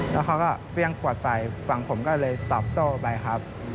แล้วเขาก็เปรี้ยงปวดใส่ฝั่งผมก็เลยตอบโต้ไปครับ